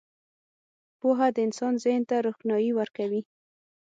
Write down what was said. • پوهه د انسان ذهن ته روښنايي ورکوي.